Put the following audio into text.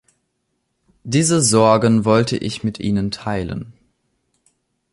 Diese Sorgen wollte ich mit Ihnen teilen.